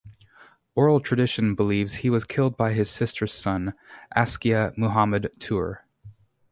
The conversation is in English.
Oral tradition believes he was killed by his sister's son, Askia Muhammad Ture.